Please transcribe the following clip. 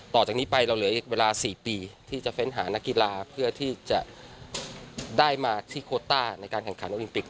ต่อจากนี้ไปเราเหลืออีกเวลา๔ปีที่จะเฟ้นหานักกีฬาเพื่อที่จะได้มาที่โคต้าในการแข่งขันโอลิมปิก